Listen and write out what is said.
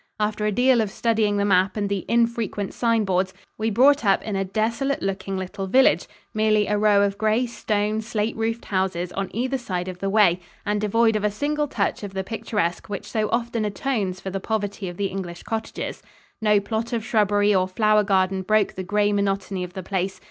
After a deal of studying the map and the infrequent sign boards we brought up in a desolate looking little village, merely a row of gray stone, slate roofed houses on either side of the way, and devoid of a single touch of the picturesque which so often atones for the poverty of the English cottages. No plot of shrubbery or flower garden broke the gray monotony of the place.